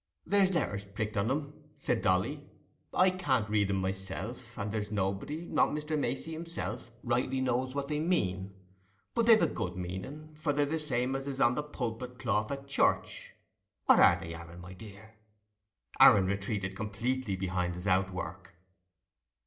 "There's letters pricked on 'em," said Dolly. "I can't read 'em myself, and there's nobody, not Mr. Macey himself, rightly knows what they mean; but they've a good meaning, for they're the same as is on the pulpit cloth at church. What are they, Aaron, my dear?" Aaron retreated completely behind his outwork.